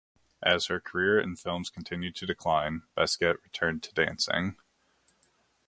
As her career in films continued to decline, Basquette returned to dancing.